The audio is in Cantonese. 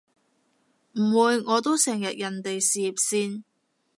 唔會，我都成日人哋事業線